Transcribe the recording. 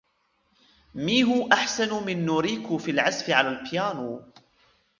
ميهو أحسن من نوريكو في العزف على البيانو.